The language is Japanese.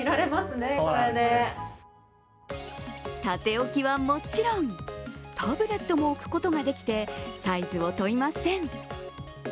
縦置きはもちろん、タブレットも置くことができてサイズを問いません。